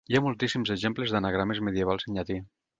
Hi ha moltíssims exemples d'anagrames medievals en llatí.